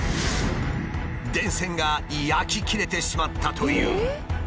電線が焼き切れてしまったという。